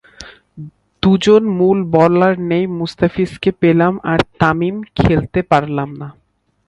দুইজন মূল বোলার নেই, মুস্তাফিজকে পেলাম, আবার তামিম খেলতে পারল না।